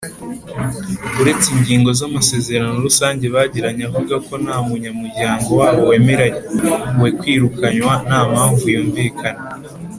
Uretse ingingo z amasezerano rusange bagiranye avuga ko ntamunya muryango wabo wemerewe kwirukanywa ntampamvu yumvikana.